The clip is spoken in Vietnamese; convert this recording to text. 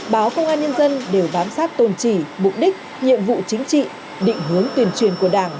báo công an nhân dân đều vám sát tôn trì mục đích nhiệm vụ chính trị định hướng tuyển truyền của đảng